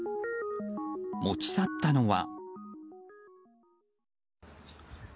持ち去ったのは。